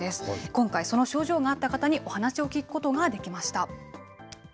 今回、その症状があった方にお話を聞くことができました。